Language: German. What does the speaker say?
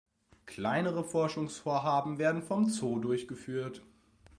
Kleinere Forschungsvorhaben werden vom Zoo durchgeführt.